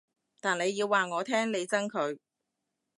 但你要話我聽你憎佢